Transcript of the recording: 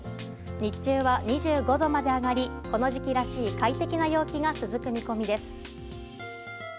日中は２５度まで上がりこの時期らしい快適な陽気が続く見込みです。